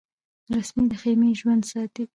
رسۍ د خېمې ژوند ساتي.